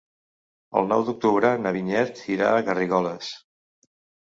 El nou d'octubre na Vinyet irà a Garrigoles.